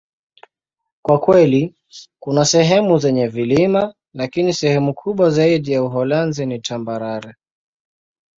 Kwa kweli, kuna sehemu zenye vilima, lakini sehemu kubwa zaidi ya Uholanzi ni tambarare.